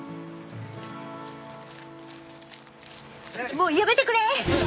もうやめてくれ！